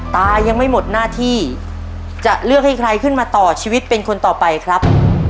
ตายังไม่หมดหน้าที่จะเลือกให้ใครขึ้นมาต่อชีวิตเป็นคนต่อไปครับ